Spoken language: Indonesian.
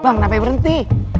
bang kenapa berhenti